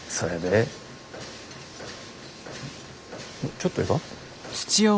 ちょっとええか？